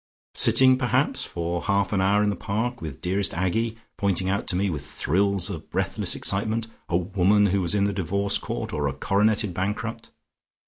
"Sitting perhaps for half an hour in the Park, with dearest Aggie pointing out to me, with thrills of breathless excitement, a woman who was in the divorce court, or a coroneted bankrupt.